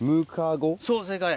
そう正解。